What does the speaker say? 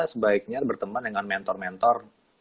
sebaiknya berteman dengan mentor mentor